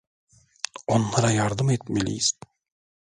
Onlara yardım etmeliyiz.